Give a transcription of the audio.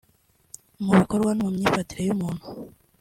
mu bikorwa no mu myifatire y’umuntu